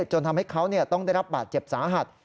จนทำให้เขาต้องได้รับบาดเจ็บสาหัส